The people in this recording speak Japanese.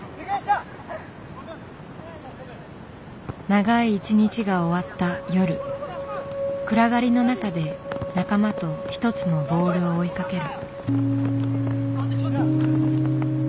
長い一日が終わった夜暗がりの中で仲間と一つのボールを追いかける。